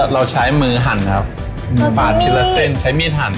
เราใช้มือหั่นครับปาดทีละเส้นใช้มีดหั่น